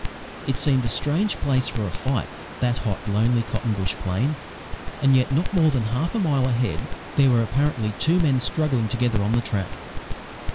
"' It seemed a strange place for a fight that hot, lonely, cotton bush plain. And yet not more than half a mile ahead there were apparently two men struggling together on the track.